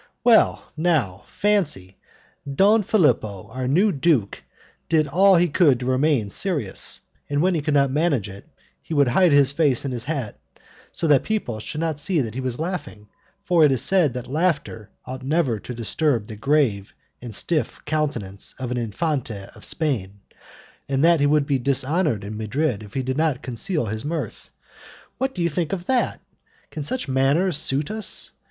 Well, now, fancy, Don Philipo, our new duke, did all he could to remain serious, and when he could not manage it, he would hide his face in his hat so that people should not see that he was laughing, for it is said that laughter ought never to disturb the grave and stiff countenance of an Infante of Spain, and that he would be dishonoured in Madrid if he did not conceal his mirth. What do you think of that? Can such manners suit us?